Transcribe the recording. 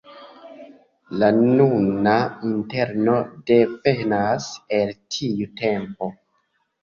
La nuna interno devenas el tiu tempo.